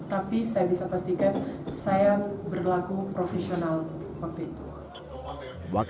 tapi saya bisa pastikan saya berlaku profesional waktu itu